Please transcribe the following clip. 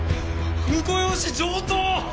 婿養子上等！